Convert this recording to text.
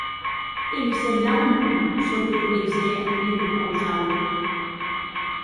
Que li semblaue molt, çò qu’eth gleisèr li prepausaue.